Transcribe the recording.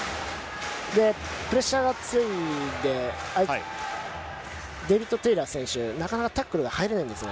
プレッシャーが強いので、デービット・テイラー選手、なかなかタックルが入れないんですね。